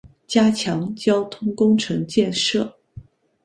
加强交通工程建设